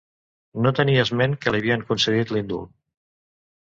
No tenia esment que li havien concedit l'indult.